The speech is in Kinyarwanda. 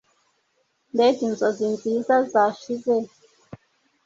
Mbega inzozi nziza zashize